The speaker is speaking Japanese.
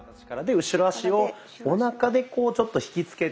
後ろ足をおなかでちょっと引き付けて。